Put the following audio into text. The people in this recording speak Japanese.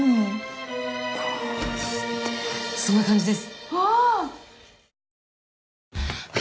そんな感じです。